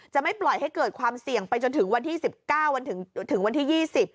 ไม่ปล่อยให้เกิดความเสี่ยงไปจนถึงวันที่๑๙ถึงวันที่๒๐